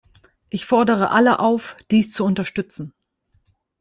Ich fordere alle auf, dies zu unterstützen.